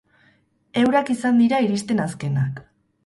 Eurak izan dira iristen azkenak.